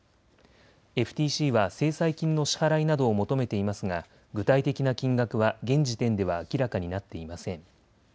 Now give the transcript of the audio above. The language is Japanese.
ＦＴＣは制裁金の支払いなどを求めていますが具体的な金額は現時点では明らかになっていません。